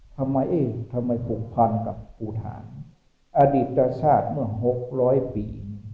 ทำไมเอทำไมผลภัณฑ์กับภูทานอดีตรชาติเมื่อหกร้อยปี